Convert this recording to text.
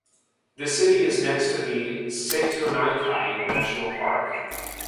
The city is next to the Setonaikai National Park.